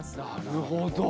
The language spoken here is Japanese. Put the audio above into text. なるほど。